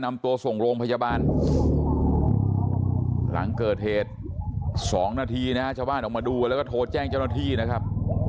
นำตัวส่งโรงพยาบาลหลังเกิดเหตุ๒นาทีนะฮะชาวบ้านออกมาดูแล้วก็โทรแจ้งเจ้าหน้าที่นะครับ